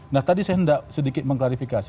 nah tadi saya tidak sedikit mengklarifikasi